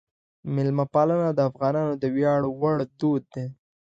میلمهپالنه د افغانانو د ویاړ وړ دود دی.